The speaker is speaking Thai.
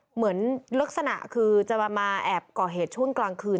เหมือนลักษณะคือจะมาแอบก่อเหตุช่วงกลางคืน